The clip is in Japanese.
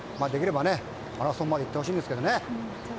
できればマラソンまでいってほしいんですけどね。